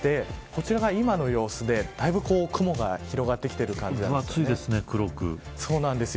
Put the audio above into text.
こちらが今の様子でだいぶ雲が広がってきています。